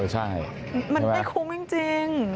ใช่มันไม่คุ้มจริง